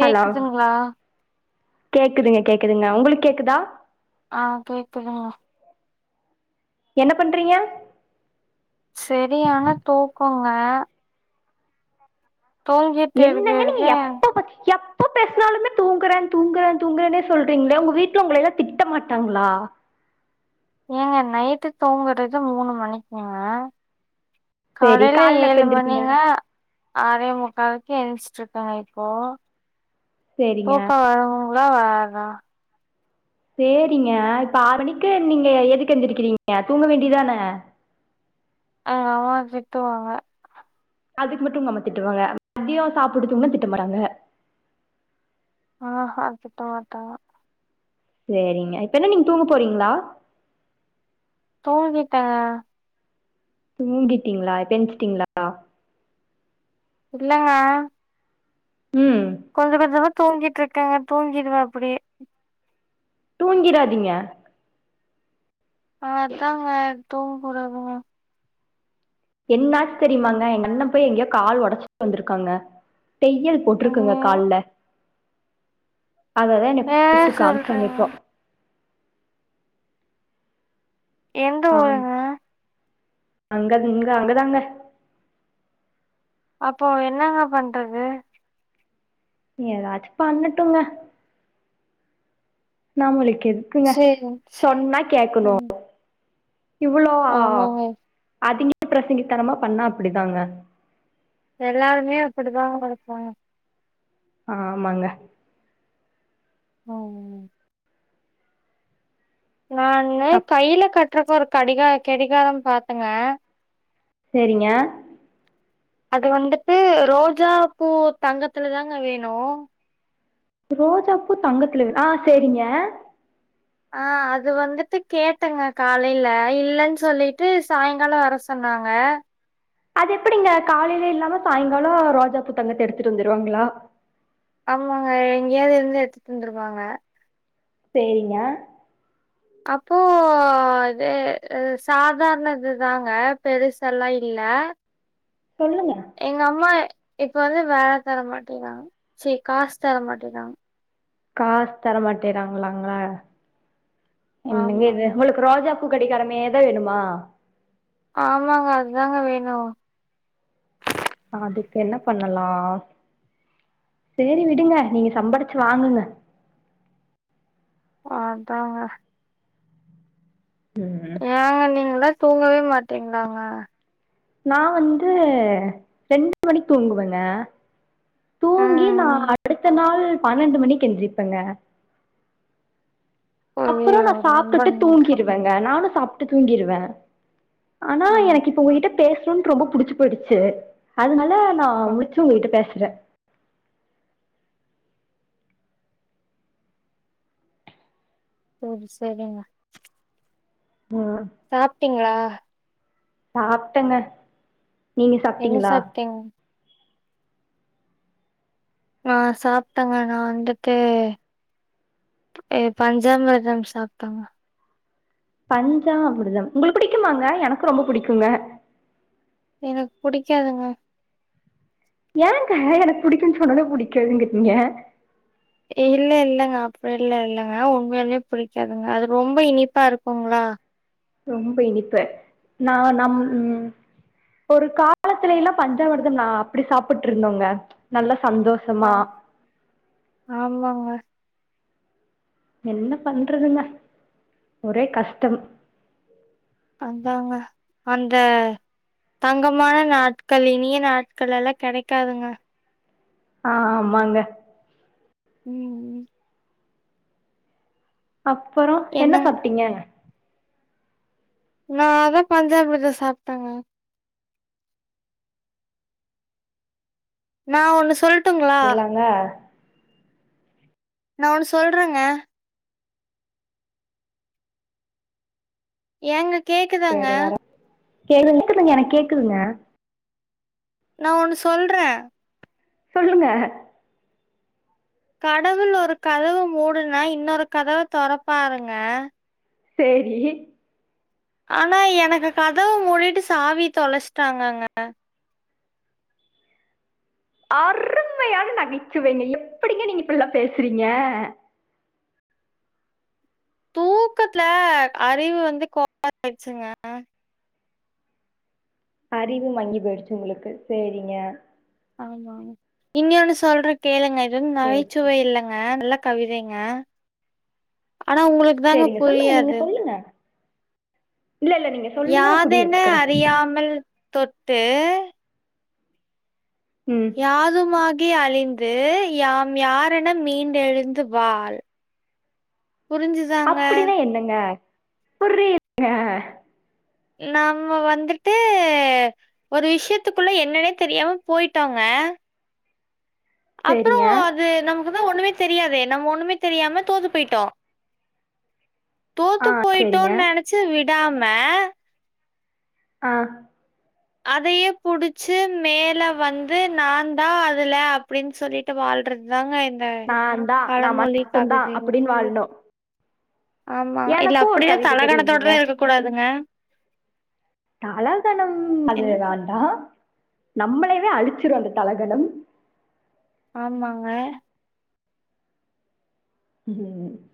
Hello கேக்குதுங்க கேக்குதுங்க உங்குளுக்கு கேக்குதா ஆ கேக்குதுங்க என்ன பண்றீங்க செரியான தூக்கோங்க தூங்கிட்டு இருக்க என்னங்க நீங்க இருக்க எப்ப பாத்தீங்க எப் ப பேசனாலுமே தூங்குறே தூங்குறே தூங்குறேனே சொல்றீங்களே உங்க வீட்ல உங்கள எல்லா திட்ட மாட்டாங்களா ஏங்க நைட்டு தூங்குறது மூணு மணிக்குங்க சரி காலைல கால்ல எப்ப ஏழு எந்திரிப்பீங்க மணிங்க ஆறே முக்காக்கு ஏஞ்சிட்ருக்கேங்க இப்போ சேரிங்க தூக்கம் வர கூட வராதா சேரிங்க இப்ப ஆறு மணிக்கு நீங்க எதுக்கு எந்திருக்கிறீங்க தூங்க வேண்டியதான ஆ அம்மா திட்டுவாங்க அதுக்கு மட்டு உங்க நம்ம திட்டுவாங்க மதியொ சாப்புட்டு தூங்குனா திட்ட மாட்டாங்க ஆஹா திட்ட மாட்டாங்க சேரிங்க இப்ப என்ன நீங்க தூங்க போறீங்ளா தூங்கிட்டங்க தூங்கிட்டீங்ளா இப்ப எஞ்சிட்டிங்ளா இல்லங்க ம் கொஞ்ச கொஞ்சமா தூங்கிட்ருக்கேங்க தூங்கிடுவ அப்டியே தூங்கிராதீங்க அதாங்க தூங்குறங்க என்னாச்சு தெரியுமாங்க எங்க அண்ணன் போய் எங்கேயோ கால் ஒடச்சிட்டு வந்திருக்காங்க தெய்யல் போட்ருக்குங்க ஐயோ கால்ல அத தா என்ன ஏ கூப்ட்டு காம்ச்சாங்க சொல்றீங்க எங் ஆம் அங்க இங்க அங்கதாங்க அப்போ என்னங்க பண்றது ஏதாச்சு பண்ணட்டுங்க நம்மளுக்கு எதுக்குங்க சேரி சேரி சொன்னா கேக்குணு ம் இவ்வளோ ஆமாங்க அதிகபிரசங்கி தனமா பண்ணா அப்படிதாங்க எல்லாருமே அப்படிதாங்க இருக்காங்க ஆமாங்க அ ஊ நானு அப் கையில கட்ரக்கு ஒரு கடிகா கெடிகாரம் பாத்தேங்க செரிங்க அது வந்துட்டு ரோஜா பூ தங்கத்துல தாங்க வேணு ரோஜாப்பூ தங்கத்துலவே ஆ செரிங்க ஆ அது வந்துட்டு கேட்டங்க காலையில இல்லன் சொல்லிட்டு சாய்ங்காலொ வர சொன்னாங்க அது எப்படிங்க காலையிலே இல்லாம சாய்ங்காலொ ரோஜா பூ தங்கத்த எடுத்துட்டு வந்துருவாங்களா ஆமாங்க எங்கேயாவ்து இருந்து எடுத்துட்டு வந்துருப்பாங்க சேரிங்க அப்போ இதே சாதாரணது தாங்க பெருசெல்லா இல்ல சொல்லுங்க எங்க அம்மா இப்ப வந்து வேல தர மாட்டேங்கிறாங்க சீ காசு தர மாட்டேங்கிறாங்க காஸ் தர மாட்டேறாங்களாங்க என்னங்க இது ஆமாங்க உங்களுக்கு ரோஜா பூ கெடிகாரமேதா வேணுமா ஆமாங்க அத்தாங்க வேணு அதுக்கு என்ன பண்ணலா சேரி விடுங்க நீங்க சம்பாரிச்சு வாங்குங்க ஆதாங்க ஏங்க நீங்களா தூங்கவே மாட்டீங்ளாங்க நா வந்து ரெண்டு மணிக்கு தூங்குவேங்க தூங்கி ம் நா ம் அடுத்த நாள் பன்னெண்டு மணிக்கு எந்திரிப்பேங்க அப்புறொ ஐயையோ நா ரொம்ப சாப்டுட்டு நன்றி. தூங்கிருவே வேங்க நானு சாப்ட்டு தூங்கிருவே ஆனா ஆ எனக்கு இப்ப உங்ககிட்ட பேஸ் ட்ருன் ரொம்ப புடிச்சு போயிடுச்சு அதனால நா அ, முலிச்சி உங்ககிட்ட பேசுறே சேரி செரிங்க ஆ சாப்ட்டீங்ளா சாப்ட்டங்க என்ன சாப்ட்டீங் நா சாப்ட்டங்க நா வந்துட்டு ஏ பஞ்சாமிர்தம் சாப்ட்டங்க பஞ்சாமிருதம் உங்களுக் பிடிக்குமாங்க எனக்கு ரொம்ப பிடிக்குங்க எனக் புடிக்காதுங்க ஏங்க எனக்கு புடிக்குன் சொன்னோன புடிக்காதுங்குறீங்க இல்ல இல்லங்க அப்புட்லா இல்லங்க உண்மையாலுமே புடிக்காதுங்க அது ரொம்ப இனிப்பா இருக்குங்ளா ரொம்ப இனிப்ப நா நம் ம் ஒரு காலத்திலேலா பஞ்சாமிரதம்னா அப்பிடி சாப்புட்ருந்தோங்க நல்லா சந்தோஷ் ஆ ஆமாங்க என்ன பண்றதுங்க ஒரே கஷ்டம் அதாங்க அந்த தங்கமான நாட்கள் இனிய நாட்களெல்லா கெடைக்காதுங்க ஆமாங்க ம் அப்பறோ என்ன என்னங்க சாப்ட்டீங்க நா அதா பஞ்சாமிர்தோ சாப்ட்டங்க நான் ஒன்னு சொல் இல்லங்க நா ஒன்னு சொல்றங்க ஏங்க கேக்குதாங்க சரி வர கேக்குதுங்க எனக் கேக்குதுங்க நா ஒன்னு சொல்ற சொல்லுங்க கடவுள் ஒரு கதவு மூடுனா இன்னொரு கதவ தொரப்பாருங்க சேரி ஆனா எனக்கு கதவு மூடிட்டு சாவி தொலச்ட்டாங்கங்க அருமையான நகைச்சுவைங்க எப்புடிங்க நீங்க இப்புல்லா பேசுறீங்க தூக்கத்துல அறிவு வந்து கோளாறாய்ச்சுங்க அறிவு மங்கி போய்டுச்சு உங்களுக்கு சேரிங்க ஆமா இன்னொன்னு சொல்ற கேளுங்க இது வந்து சேரி சேரி நகைச்சுவை இல்லங்க நல்ல கவிதைங்க ஆனா உங்குளுக் சேரிங்க சொல்லுங்க நீங்க சொல்லுங்க இல்ல இல்ல நீங்க சொல்லுங்க நா புரிய யாதென்ன வச்சுக்கிறே அறியாமல் தொட்டு ம் யாதுமாகி அழிந்து யாம் யாரென மீண்டெழுந்து வாழ் புரிஞ்சுதா அப்புடினா என்னங்க புரி [inaudible] ங்க நம்ம வந்துட்டு ஒரு விஷியத்துக்குள்ள என்னனே தெரியாம போய்ட்டோங்க அப்புறோ சேரிங்க அது நமக்குதா ஒன்னுமே தெரியாதே நம்ம ஒன்னுமே தெரியாம தோத்து போய்ட்டோ ஆ தோத்து சேரிங்க போயிட்டோன்னு நெனைச்சு விடாம அ அதையே புடிச்சு மேல வந்து நா தா அதுல அப்டின்னு சொல்லிட் [unintelligible] வாழ்றது தாங்க இந்த பழமொழி கவிதை வாழ்ணு ஆமா இல்ல அப்டியே கவிதை தல கனத்தோட தெரியுங்க தா இருக்க கூடாதுங்க தலகனம் அது என் வேண்டா நம்மளவே அழிச்சிரு அந்த தலகனம் ஆமாங்க [inaudible]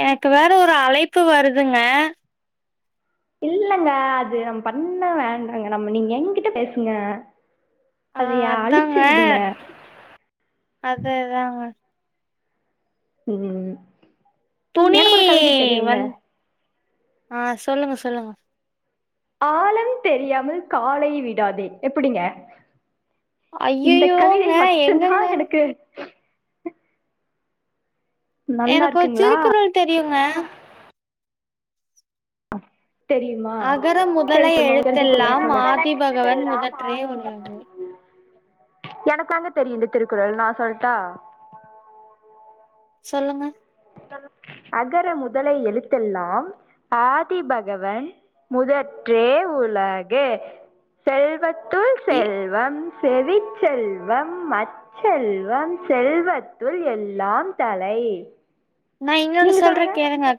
எனக்கு வேற ஒரு அழைப்பு வருதுங்க இல்லங்க அது நம்ம பண்ண வேண்டாங்க நம்ம நீங்க எங்கிட்ட பேசுங்க ஆ அது ஏ அழிச்சு அதாங்க விடுங்க அதே தாங்க ம் துணி எனக்கு ஒரு கவிதை தெரியுங்க வந் அ சொல்லுங்க சொல்லுங்க ஆழம் தெரியாமல் காலை விடாதே எப்டிங்க இந்த கவிதை ஐயையோங்க மட்டு தா எங்கங்க எனக்கு நல்லா எனக்கு ஒரு இருக்குங்களா திருக்குறள் தெரியுங்க தெரியுமா அகர முதல சேரி [unintelligible] எழுத்தெல்லாம் ஆதிபகவன் முதற்றே உலகு எனக்கு வந்து தெரியுது திருக்குறள் நா சொல்லட்டா சொல்லுங்க அகர முதல எழுத்தெல்லா ஆதிபகவன் முதற்றே உலகு செல்வத் துள் இ செல்வம் செவிச்செல்வம் அச் செல்வம் செல்வத்துள் எல்லாம் தலை நா இன்னொன்னு நீங்க சொல்றே சொல்லுங்க கேளுங்க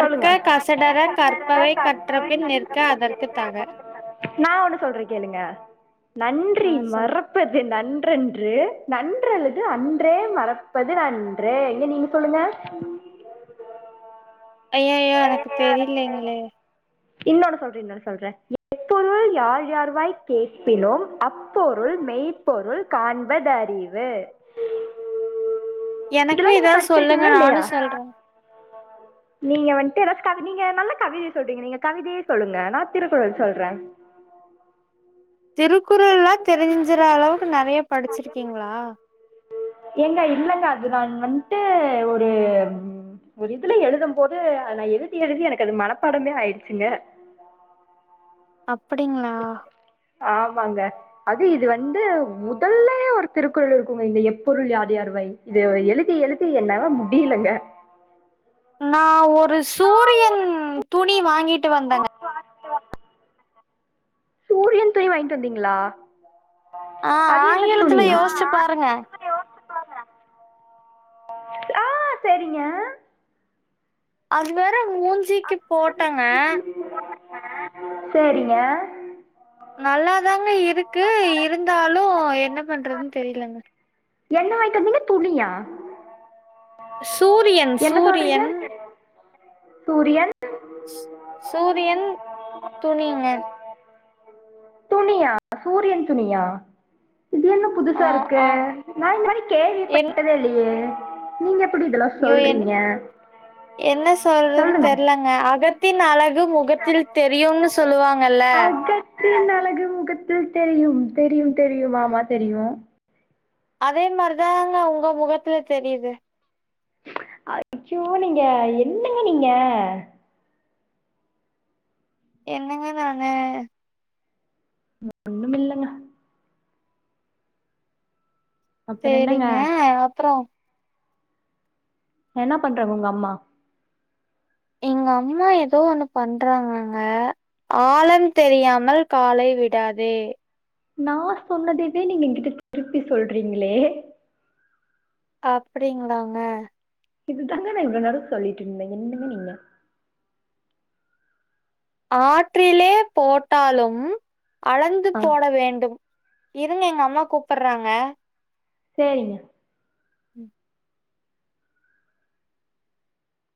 சொல்லுங்க கசடற கற்பவை கற்றபின் நிற்க அதற்கு தக நா ஒண்ணு சொல்றே கேளுங்க ஆ நன்றி சொல்லு மறப் ப்பது நன்றென்று நன்றல்லது அன்றே மறப்பது நன்றே நீங்க சொல்லுங்க ஐய்ஐய்யோ எனக்கு தெரியலைங்களே இன்னொன்னு சொல்றே இன்னொன் சொல்றே எப்பொருள் யார் யார்வாய் கேட்பினும் அப் அப்பொருள் மெய் பொருள் காண்பதறிவு எனக்கு இதெல்லா நீங்க ஏதாவது சொல்லுங்க படிச்சிருக்கீங்ளா இல்லையா நானு சொல்றே நீங்க வன்ட்டு கவி நீங்க நல்ல கவிதை சொல்றீங்க நீங்க கவிதையே சொல்லுங்க நா திருக்குறள் சொல்றே திருக்குறள்ல்லா தெரிஞ்சற அளவுக்கு நெறைய படிச்சிருக்கீங்ளா ஏங்க இல்லங்க அது தா வன்ட்டு ஒரு ஒரு இதுல எழுதும் போது நா எழுதி எழுதி எனக்கு அது மனப்பாடமே ஆயிட்ச்சுங்க அப்டிங்களா ஆமாங்க அது இது வந்து முதல்லயே ஒரு திருக்குறள் இருக்குங்க இந்த எப்பொருள் யார் யார்வாய் இது எழுதி எழுதி என்னால முடியலங்க நா ஒரு சூரியன் துணி வாங்கிட்டு வந்தேங்க [inaudible] பூரியன் துணி வாங்கிட்டு வந்தீங்களா ஆ அது என்ன துணி ஆங்கிலத்துல யோசிச்சு பாருங்க ஆ செரிங்க அது வேற மூஞ்சிக்கு போட்டங்க செரிங்க நல்லாதாங்க இருக்கு இருந்தாலு என்ன பண்றதுன் தெரிலங்க என்ன வாங்ட்டு வந்தீங்க துணியா சூரியன் என்ன சொல்றீங்க சூரியன் சூரியன் சூரியன் துணிங்க துணியா சூரியன் துணியா இது என்ன ஆ புதுசா இருக்கு ஆ நா இந்த மாரி என் கேள்விப்பட்டதே இல்லையே நீங்க எப்புடி இதெல்லா ஐயோ என் சொல்றீங்க என்ன சொல்றதுன்னு சொல்லுங்க தெர்லங்க அகத்தின் அழகு முகத்தில் தெரியும்னு சொல்லுவாங்கல்ல தின் அழகு முகத்தில் தெரியும் தெரியும் தெரியும் ஆமா தெரியு அதே மாரிதாங்க உங்க முகத்துல தெரியுது அச்சோ நீங்க என்னங்க நீங்க என்னங்க நானு ஒன்னுமில்லங்க அப்புறம் என்னங்க சேரிங்க அப்றோ என்ன பண்றாங்க உங்க அம்மா எங்க அம்மா எதோ ஒண்ணு பண்றாங்கங்க ஆழம் தெரியாமல் காலை விடாதே நா சொன்னதைவே நீங்க என்கிட்ட திருப்பி சொல்றீங்களே அப்டிங்களாங்க இதுதாங்க நா இவ்ளோ நேர சொல்லிட் இருந்தே என்னங்க நீங்க ஆற்றிலே போட்டாலும் அளந்து ஆ போட வேண்டும் இருங்க எங்க அம்மா கூப்பிட்றாங்க சேரிங்க உம்